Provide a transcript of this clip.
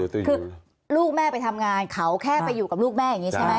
คือลูกแม่ไปทำงานเขาแค่ไปอยู่กับลูกแม่อย่างนี้ใช่ไหม